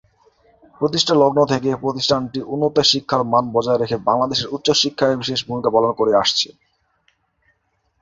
প্রতিষ্ঠালগ্ন থেকে প্রতিষ্ঠানটি উন্নত শিক্ষার মান বজায় রেখে বাংলাদেশের উচ্চশিক্ষায় বিশেষ ভূমিকা পালন করে আসছে।